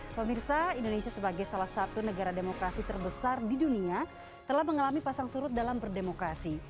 pemirsa indonesia sebagai salah satu negara demokrasi terbesar di dunia telah mengalami pasang surut dalam berdemokrasi